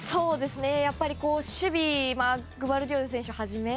やっぱり守備グバルディオル選手はじめ